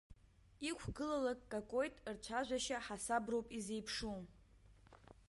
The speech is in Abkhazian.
Иқәгылалак какоит, рцәажәашьа ҳасабрбоуп изеиԥшу.